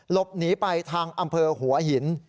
หลบหนีไปทางอำเภอหัวหิน